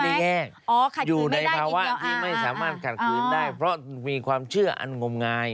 แยกอยู่ในภาวะที่ไม่สามารถขัดขืนได้เพราะมีความเชื่ออันงมงาย